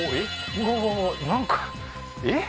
うわうわうわなんかえっ？